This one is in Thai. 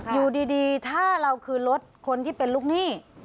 อยู่ดีถ้าเราคือรถคนที่เป็นลูกหนี้